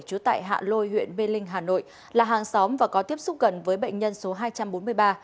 trú tại hạ lôi huyện mê linh hà nội là hàng xóm và có tiếp xúc gần với bệnh nhân số hai trăm bốn mươi ba